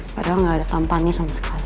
padahal nggak ada tampannya sama sekali